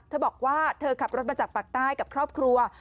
เธอบอกว่าเธอขับรถมาจากปากใต้กับครอบครัว